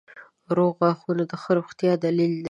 • روغ غاښونه د ښه روغتیا دلیل دی.